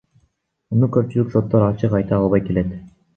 Муну көпчүлүк соттор ачык айта албай келет.